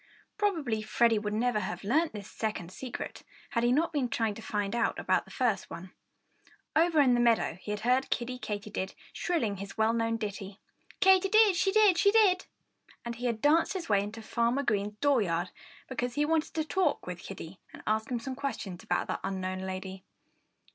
Probably Freddie would never have learned this second secret had he not been trying to find out about the first one. Over in the meadow he had heard Kiddie Katydid shrilling his well worn ditty, Katy did; she did, she did! And he had danced his way into Farmer Green's dooryard because he wanted to have a talk with Kiddie and ask him some questions about that unknown lady.